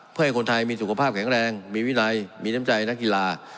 เพื่อให้คนไทยมีสุขภาพแข็งแรงมีวินัยมีน้ำใจนักกีฬา